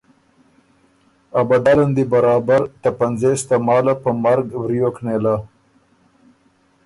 ا بدل ان دی برابر ته پنځېس تماله په مرګ وریوک نېله۔